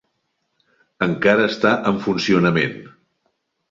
Encara està en funcionament.